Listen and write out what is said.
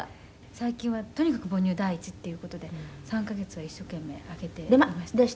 「最近はとにかく母乳第一っていう事で３カ月は一生懸命あげていました」